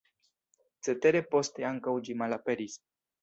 Cetere poste ankaŭ ĝi malaperis.